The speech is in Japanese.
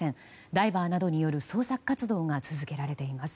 ダイバーなどによる捜索活動など続けられています。